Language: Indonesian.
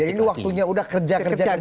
jadi ini waktunya sudah kerja kerjaan